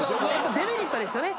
デメリットですよね？